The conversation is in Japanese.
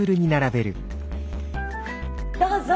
どうぞ！